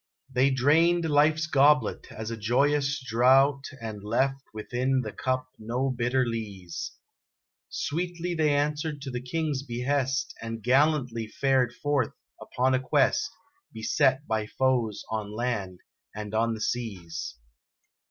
They drained life's goblet as a joyous draught And left within the cup no bitter lees. Sweetly they answered to the King's behest, And gallantly fared forth upon a quest, Beset by foes on land and on the seas.